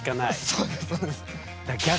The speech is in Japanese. そうですそうです。